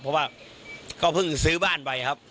เพราะว่าก็เพิ่งซื้อบ้านไปครับ